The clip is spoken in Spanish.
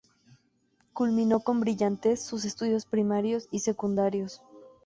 Culminó con brillantez sus estudios primarios y secundarios.